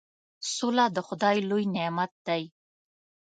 سوله د خدای لوی نعمت دی.